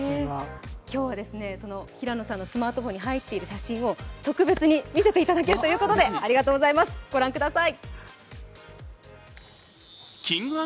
今日は平野さんのスマートフォンに入っている写真を特別に見せていただけるということで、ご覧ください。